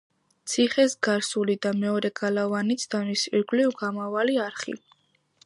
ციხეს გარს უვლიდა მეორე გალავანიც და მის ირგვლივ გამავალი არხი.